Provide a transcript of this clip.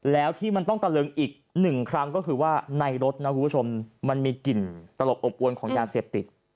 แล้วที่มันต้องตะเลิงอีกหนึ่งครั้งก็คือว่าในรถมันมีกลิ่นตลกอบวนของยาเศรษฐกิจ